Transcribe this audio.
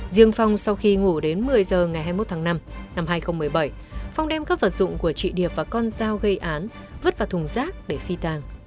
riêng phong sau khi ngủ đến một mươi giờ ngày hai mươi một tháng năm năm hai nghìn một mươi bảy phong đem các vật dụng của chị điệp và con dao gây án vứt vào thùng rác để phi tàng